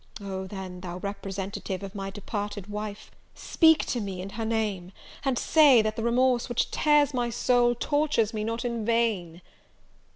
Oh, then, thou representative of my departed wife, speak to me in her name, and say that the remorse which tears my soul tortures me not in vain!"